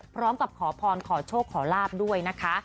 พร้อมกับขอพรขอโชคขอลาบด้วยนะคะ